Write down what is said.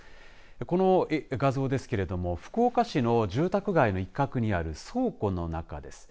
この画像ですけれども福岡市の住宅街の一角にある倉庫の中です。